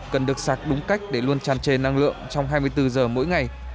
cần được sạc đúng cách để luôn tràn trề năng lượng trong hai mươi bốn giờ mỗi ngày